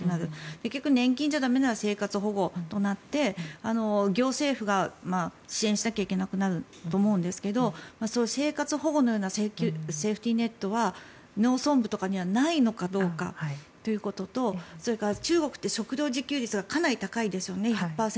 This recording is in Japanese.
結局、年金じゃ駄目なら生活保護となって行政府が支援しなきゃいけなくなると思うんですが生活保護のようなセーフティーネットは農村部とかにはないのかどうかということとそれから中国って食料自給率がかなり高いですよね。